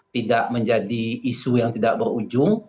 tidak menjadi isu yang tidak berujung